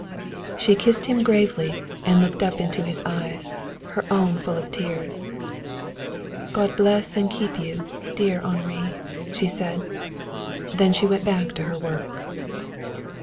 So she kissed him gravely and looked up into his eyes, her own full of tears. "God bless and keep you, dear Henri," she said. Then she went back to her work.